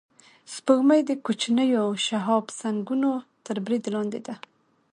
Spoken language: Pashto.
سپوږمۍ د کوچنیو شهابسنگونو تر برید لاندې ده